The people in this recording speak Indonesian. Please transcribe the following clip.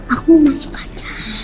aku mau masuk aja